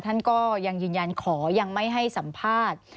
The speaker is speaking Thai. ท่านก็ยังยืนยันขอยังไม่ให้สัมภาษณ์